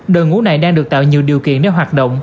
đội ngũ này đang được tạo nhiều điều kiện để hoạt động